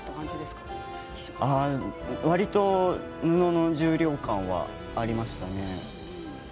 わりと布の重量感はありますね。